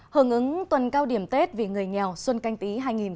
hưởng ứng tuần cao điểm tết vì người nghèo xuân canh tí hai nghìn hai mươi